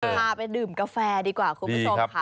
เราจะมาไปดื่มกาแฟดีกว่าครูพุทธพน้อยสมค่ะ